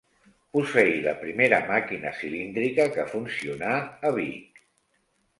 Posseí la primera màquina cilíndrica que funcionà a Vic.